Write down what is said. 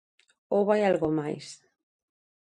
¿Ou vai a algo máis?